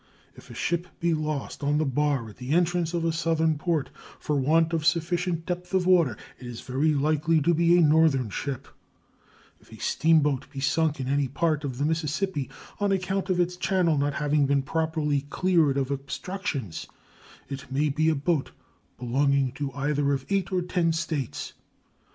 If a ship be lost on the bar at the entrance of a Southern port for want of sufficient depth of water, it is very likely to be a Northern ship; and if a steamboat be sunk in any part of the Mississippi on account of its channel not having been properly cleared of obstructions, it may be a boat belonging to either of eight or ten States.